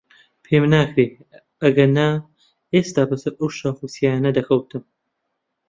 پێم ناکرێ، ئەگەنا ئێستا بەسەر ئەو شاخ و چیایانە دەکەوتم.